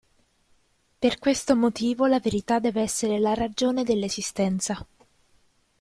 Per questo motivo la verità deve essere la ragione dell'esistenza.